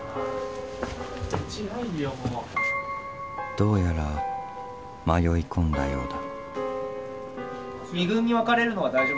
どうやら迷い込んだようだ。